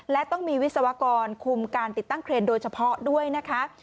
และต้องมีวิศวกรคุมการติดตั้งเครนโดยเฉพาะด้วยนะคะ